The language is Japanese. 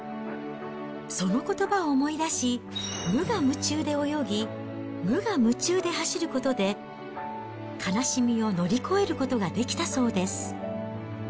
そのことばを思い出し、無我夢中で泳ぎ、無我夢中で走ることで、悲しみを乗り越えることができたそうです。